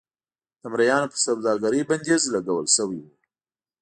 د مریانو پر سوداګرۍ بندیز لګول شوی و.